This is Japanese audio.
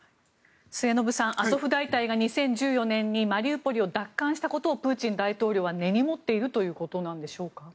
末延さんアゾフ大隊が、２０１４年にマリウポリを奪還したことをプーチン大統領は根に持っているということなんでしょうか？